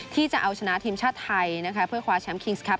ที่จะเอาชนะทีมชาติไทย